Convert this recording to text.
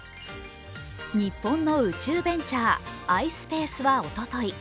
日本の宇宙ベンチャーｉｓｐａｃｅはおととい